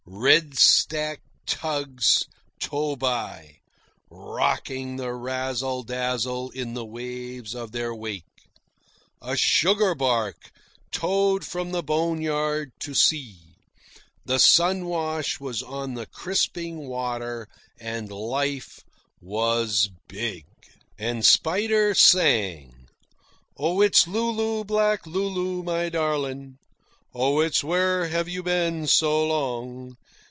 Red stacked tugs tore by, rocking the Razzle Dazzle in the waves of their wake. A sugar barque towed from the "boneyard" to sea. The sun wash was on the crisping water, and life was big. And Spider sang: "Oh, it's Lulu, black Lulu, my darling, Oh, it's where have you been so long?